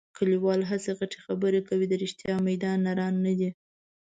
کلیوال هسې غټې خبرې کوي. د رښتیا میدان نران نه دي.